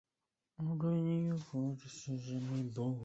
后者即土耳其人团伙则把重点放在贩运东欧妓女上。